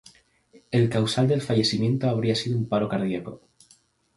El causal del fallecimiento habría sido un paro cardíaco.